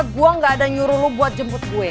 gue gak ada nyuruh lu buat jemput gue